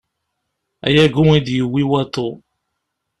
Ay agu i d-yewwi waḍu.